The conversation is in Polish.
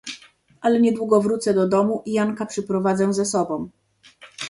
"Ale niedługo powrócę do domu i Janka przyprowadzę ze sobą."